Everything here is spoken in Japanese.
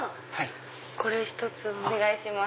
これ１つお願いします。